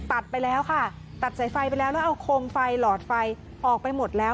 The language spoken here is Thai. ตัดไปแล้วค่ะตัดสายไฟไปแล้วแล้วเอาโคมไฟหลอดไฟออกไปหมดแล้ว